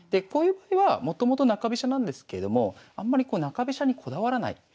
こういう場合はもともと中飛車なんですけれどもあんまりこう中飛車にこだわらない。